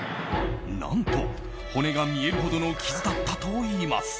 何と骨が見えるほどの傷だったといいます。